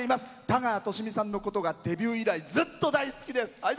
田川寿美さんのことがデビュー以来、ずっと大好きです。